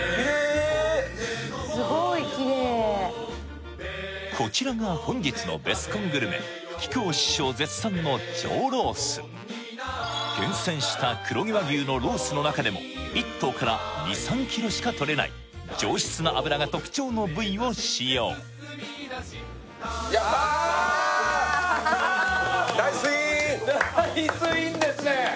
すごいキレイこちらが本日のベスコングルメ木久扇師匠絶賛の上ロース厳選した黒毛和牛のロースの中でも１頭から２３ｋｇしかとれない上質な脂が特徴の部位を使用ナイスインですね！